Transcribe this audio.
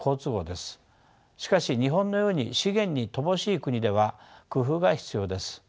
しかし日本のように資源に乏しい国では工夫が必要です。